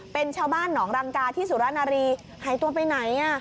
เป็นชาวบ้านหนองรังกาที่สุรนารีหายตัวไปไหน